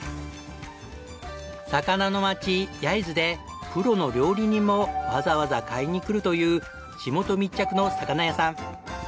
さかなのまち焼津でプロの料理人もわざわざ買いに来るという地元密着の魚屋さん。